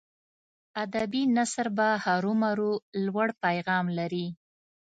ادبي نثر به هرو مرو لوړ پیغام لري.